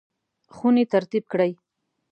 خونې ترتیب کړئ